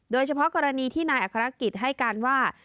โดยเฉพาะกรณีที่นายอัครกิจให้การว่า